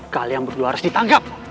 kalian berdua harus ditangkap